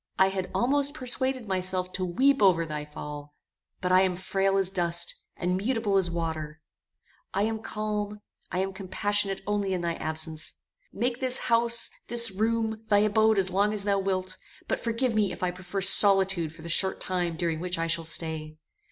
I had almost persuaded myself to weep over thy fall; but I am frail as dust, and mutable as water; I am calm, I am compassionate only in thy absence. Make this house, this room, thy abode as long as thou wilt, but forgive me if I prefer solitude for the short time during which I shall stay."